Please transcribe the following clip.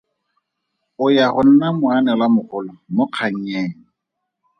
O ya go nna moanelwamogolo mo kgannyeng.